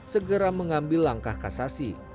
segera mengambil langkah kasasi